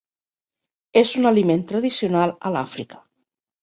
És un aliment tradicional a l'Àfrica.